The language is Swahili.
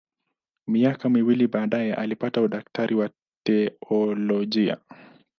Miaka miwili baadaye alipata udaktari wa teolojia.